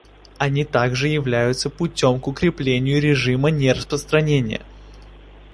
Они также являются путем к укреплению режима нераспространения.